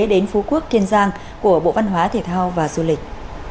đến phú quốc kiên giang của bộ văn hóa thể thao và du lịch